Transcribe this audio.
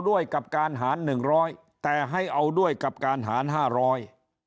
ด้วยกับการหารหนึ่งร้อยแต่ให้เอาด้วยกับการหารห้าร้อย